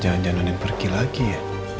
jangan jangan pergi lagi ya